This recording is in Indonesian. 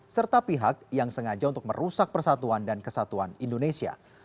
serta pihak yang sengaja untuk merusak persatuan dan kesatuan indonesia